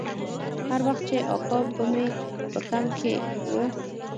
هر وخت چې اکا به مې په کمپ کښې و.